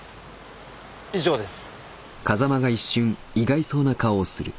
以上です。